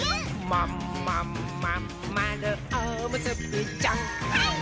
「まんまんまんまるおむすびちゃん」はいっ！